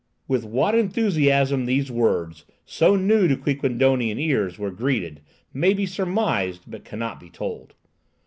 With what enthusiasm these words, so new to Quiquendonian ears, were greeted, may be surmised, but cannot be told.